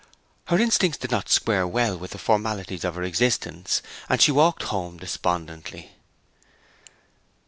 Her instincts did not square well with the formalities of her existence, and she walked home despondently.